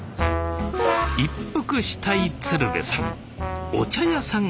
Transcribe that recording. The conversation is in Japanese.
一服したい鶴瓶さん。